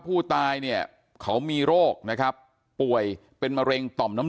ผู้ตายเนี่ยเขามีโรคนะครับป่วยเป็นมะเร็งต่อมน้ำ